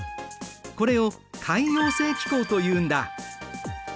これを海洋性気候というんだ。